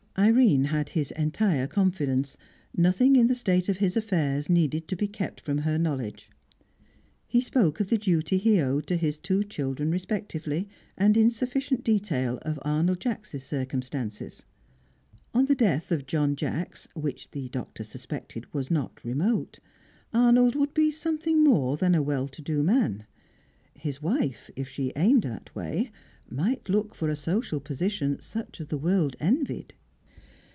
Irene had his entire confidence; nothing in the state of his affairs needed to be kept from her knowledge. He spoke of the duty he owed to his two children respectively, and in sufficient detail of Arnold Jacks' circumstances. On the death of John Jacks (which the Doctor suspected was not remote) Arnold would be something more than a well to do man; his wife, if she aimed that way, might look for a social position such as the world envied.